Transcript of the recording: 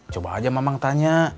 coba aja mamang tanya